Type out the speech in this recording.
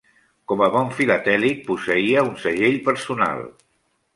Com a bon filatèlic, posseïa un segell personal.